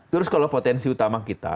terus kalau potensi utama kita